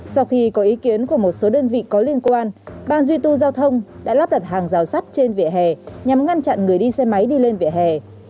sau khi có ý kiến của một số đơn vị có liên quan ban duy tu giao thông đã lắp đặt hàng giao sát trên vẻ hè nhằm ngăn chặn người đi xe máy đi lên vẻ hè